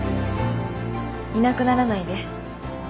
「いなくならないで」